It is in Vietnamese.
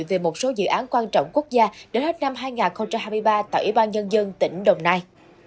về một số dự án quan trọng quốc gia đến hết năm hai nghìn hai mươi ba tại ủy ban nhân dân tỉnh đồng nai